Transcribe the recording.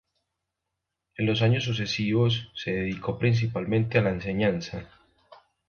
En los años sucesivos, se dedicó principalmente a la enseñanza.